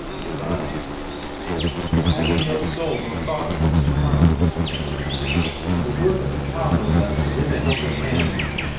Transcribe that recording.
he cries. "Have ye no soul nor thought of what's to come? And the worth of a cow, no less, to lend a helping hand.